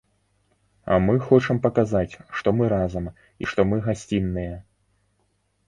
Мы хочам паказаць, што мы разам, і што мы гасцінныя.